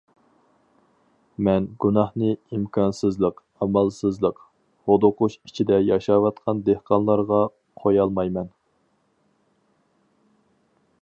مەن گۇناھنى ئىمكانسىزلىق، ئامالسىزلىق، ھودۇقۇش ئىچىدە ياشاۋاتقان دېھقانلارغا قويالمايمەن.